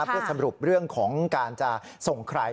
เพื่อสรุปเรื่องของการจะส่งใคร